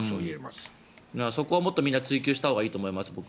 そこはもっと追及したほうがいいと思います。